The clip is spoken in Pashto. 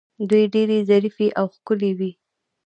دوی ډیرې ظریفې او ښکلې وې